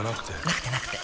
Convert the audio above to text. なくてなくて